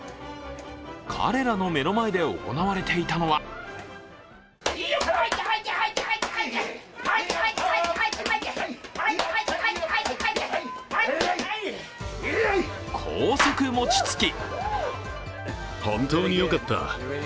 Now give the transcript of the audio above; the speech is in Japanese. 彼らの目の前で行われていたのは高速餅つき。